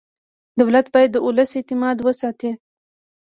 دولت باید د ولس اعتماد وساتي.